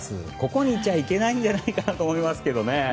ここにいちゃ、いけないんじゃないかなと思いますけどね。